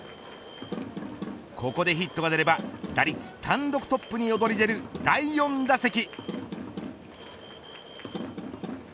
ここでヒットが出れば打率単独トップに躍り出る、第４打席。